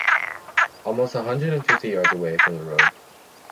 Almost a hundred and fifty yards away from the road